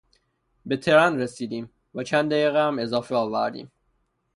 به ترن رسیدیم و چند دقیقه هم اضافه آوردیم.